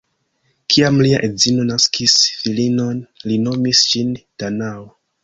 Kiam lia edzino naskis filinon, li nomis ŝin Danao.